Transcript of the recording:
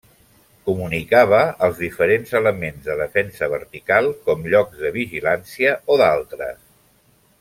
Comunicava els diferents elements de defensa vertical, com llocs de vigilància o d'altres.